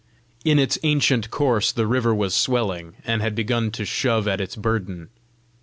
In its ancient course the river was swelling, and had begun to shove at its burden.